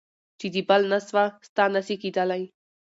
چي د بل نه سوه. ستا نه سي کېدلی.